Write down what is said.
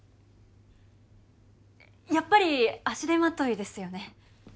やっぱり足手まといですよね。